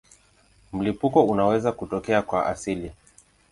Mlipuko unaweza kutokea kwa asili.